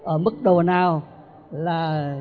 ở mức độ nào là